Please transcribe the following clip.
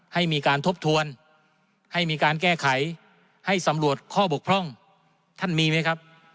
ให้มีการทบทวนให้มีการแก้ไขให้สำรวจข้อบกพร่องท่านมีไหมครับ